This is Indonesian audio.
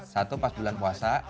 satu pas bulan puasa